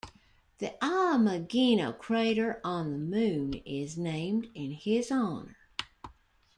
The Ameghino Crater on the Moon is named in his honor.